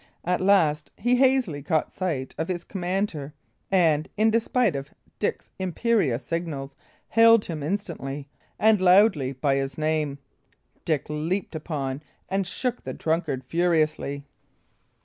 At last he hazily caught sight of his commander, and, in despite of Dick's imperious signals, hailed him instantly and loudly by his name. Dick leaped upon and shook the drunkard furiously.